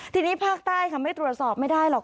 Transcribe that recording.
ทีนี้ภาคใต้ค่ะไม่ตรวจสอบไม่ได้หรอก